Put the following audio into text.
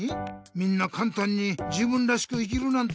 みんなかんたんに「自分らしく生きる」なんて言うけどさ